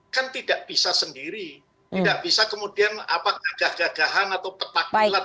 kan tidak bisa sendiri tidak bisa kemudian gagah gagahan atau ketakdilan